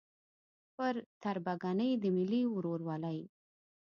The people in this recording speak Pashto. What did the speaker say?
پر تربګنۍ د ملي ورورولۍ